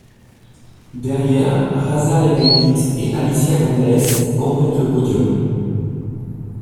Derrière, Rasa Leleivyte et Alicia Gonzalez complètent le podium.